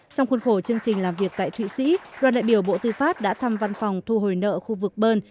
trong khuôn khổ chương trình làm việc tại thụy sĩ đoàn đại biểu bộ tư pháp đã thăm văn phòng thu hồi nợ khu vực bơn